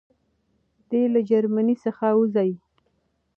دی له جرمني څخه وځي.